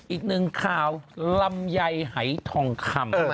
อีกหนึ่งข่าวลำไยหายทองคำ